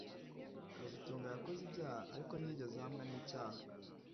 kazitunga yakoze ibyaha ariko ntiyigeze ahamwa nicyaha